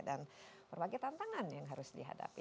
dan berbagai tantangan yang harus dihadapi